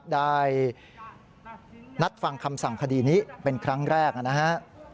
ได้นัดฟังคำสั่งคดีนี้เป็นครั้งแรกนะฮะ